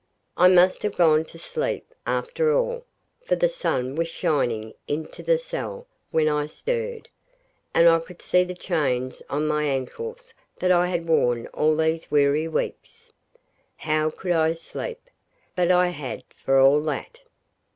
I must have gone to sleep, after all, for the sun was shining into the cell when I stirred, and I could see the chains on my ankles that I had worn all these weary weeks. How could I sleep? but I had, for all that.